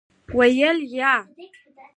ویل : یا .